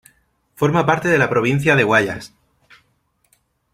Forma parte de la provincia de Guayas.